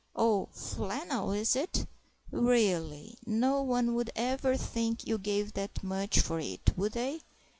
Oh, flannel is it?... Really! no one would ever think you gave that much for it, would they?